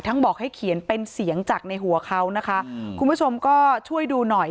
บอกให้เขียนเป็นเสียงจากในหัวเขานะคะคุณผู้ชมก็ช่วยดูหน่อย